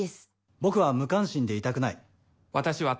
僕は無関心でいたくない。